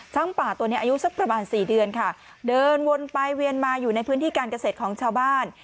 ป่าตัวนี้อายุสักประมาณสี่เดือนค่ะเดินวนไปเวียนมาอยู่ในพื้นที่การเกษตรของชาวบ้าน